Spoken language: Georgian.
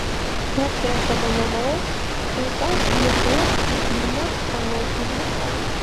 რაც შეეხება მომავალს, ქრისტონს გამოჩენილ ბლუზმენად წარმოუდგენია თავი.